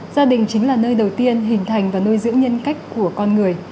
gia đình chính là nơi đầu tiên hình thành và nuôi dưỡng nhân cách của con người